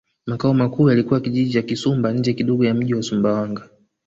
Makao makuu yalikuwa Kijiji cha Kisumba nje kidogo ya mji wa Sumbawanga